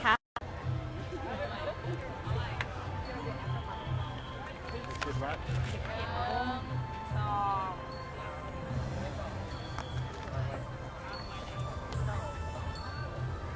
จะได้ดตามรับค